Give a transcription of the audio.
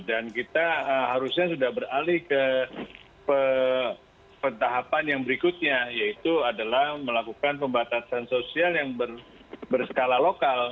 dan kita harusnya sudah beralih ke pertahapan yang berikutnya yaitu adalah melakukan pembatasan sosial yang berskala lokal